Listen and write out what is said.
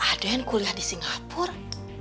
aden kuliah di singapura